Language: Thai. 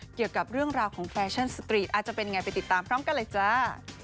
เกี่ยวกับเรื่องราวของแฟชั่นสตรีทอาจจะเป็นยังไงไปติดตามพร้อมกันเลยจ้า